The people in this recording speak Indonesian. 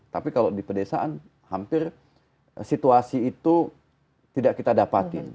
tapi kalau di pedesaan hampir situasi itu tidak kita dapatin